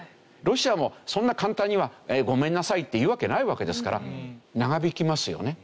ロシアもそんな簡単にはごめんなさいって言うわけないわけですから長引きますよね。